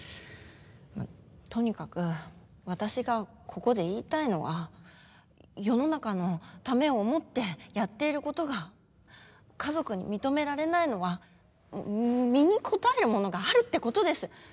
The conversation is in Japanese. とにかく私が、ここで言いたいのは世の中のためを思ってやっていることが家族に認められないのは身にこたえるものがあるってことです！